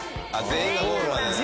全員がゴールなんだね。